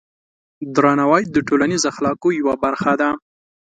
درناوی د ټولنیز اخلاقو یوه برخه ده.